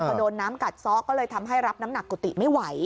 พอโดนน้ำกัดซ้อก็เลยทำให้รับน้ำหนักกุฏิไม่ไหว